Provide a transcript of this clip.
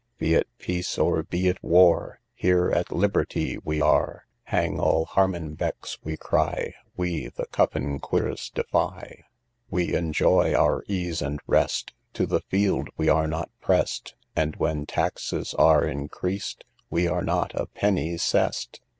III. Be it peace, or be it war, Here at liberty we are: Hang all Harmenbecks, {58c} we cry, We the Cuffin Queres {58d} defy. IV. We enjoy our ease and rest, To the field we are not press'd; And when taxes are increased, We are not a penny sess'd.